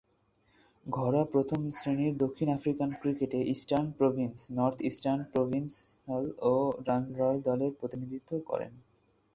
ঘরোয়া প্রথম-শ্রেণীর দক্ষিণ আফ্রিকান ক্রিকেটে Eastern Province, North Eastern Transvaal ও ট্রান্সভাল দলের প্রতিনিধিত্ব করেন।